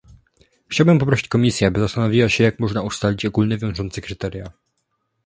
Chciałbym poprosić Komisję, aby zastanowiła się jak można ustalić ogólnie wiążące kryteria